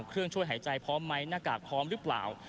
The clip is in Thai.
เครื่องช่วยหายใจพร้อมไหมหน้ากากพร้อมหรือเปล่า